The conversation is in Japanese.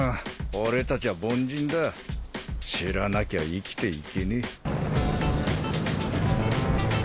俺達は凡人だ知らなきゃ生きていけねえ